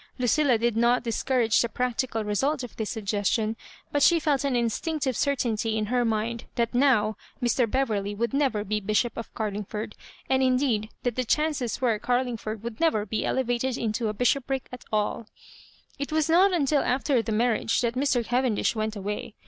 Lu cilla did not discourage the practical result jof this suggestion, but she felt an instinctive certainty in her mind that novf Mr. Beverley would never be bishop of Carlingford, and indeed that the chances were Carlingford would never be elevated into a bishopric at alL It was not until after the marriage that Mr. Cavendish went away.